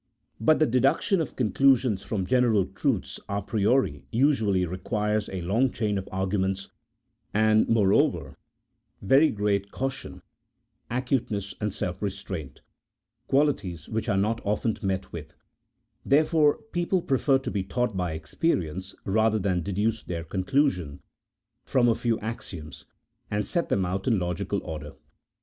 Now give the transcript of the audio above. But the deduction of conclusions from general truths a priori, usually requires a long chain of arguments, and, moreover, very great caution, acuteness, and self restraint — qualities which are not often met with; therefore people prefer to be taught by experience rather than deduce their conclusion from a few axioms, and set them out in logical order.